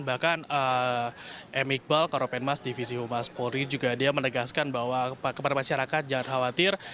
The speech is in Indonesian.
bahkan m iqbal karopenmas divisi humas polri juga dia menegaskan bahwa kepada masyarakat jangan khawatir